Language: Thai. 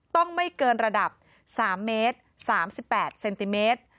ไม่เกินระดับ๓เมตร๓๘เซนติเมตร